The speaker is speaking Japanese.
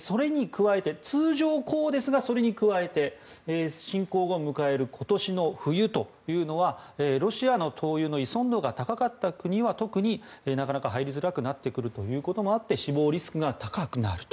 通常こうですが、それに加えて侵攻後迎える今年の冬というのはロシアの灯油の依存度が高かった国は特に、なかなか入りづらくなってくることもあって死亡リスクが高くなる。